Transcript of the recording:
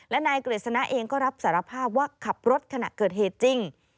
และนายกฤษณะเองก็รับสารภาพว่าขับรถขณะเกิดเหตุจริง